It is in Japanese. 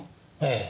ええ。